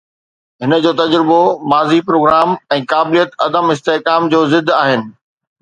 هن جو تجربو، ماضي، پروگرام ۽ قابليت عدم استحڪام جو ضد آهن.